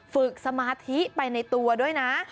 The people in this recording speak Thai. สมาธิไปในตัวด้วยนะ